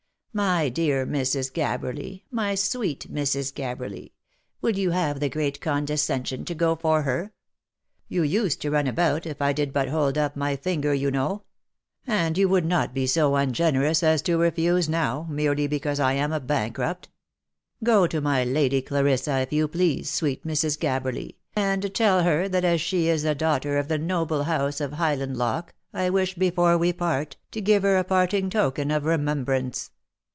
My dear Mrs. Gabberly, my sweet Mrs. Gabberly — will you have the great condescension to go for her ? You used to run about, if I did but hold up my finger, you know — and you would not be so ungenerous as to refuse now, merely because I am a bankrupt ! Go to my Lady Clarissa, if you please, sweet Mrs. Gabberly, and tell her that as she is a daughter of the noble house of Highlandloch, I wish, before we part, to give her a parting token of remembrance.